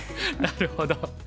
なるほど。